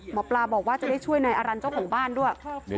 หมอปลาบอกว่าจะได้ช่วยนายอารันต์เจ้าของบ้านด้วย